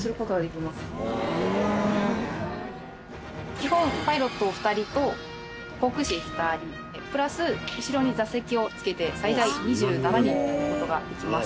基本パイロット２人と航空士２人プラス後ろに座席をつけて最大２７人乗る事ができます。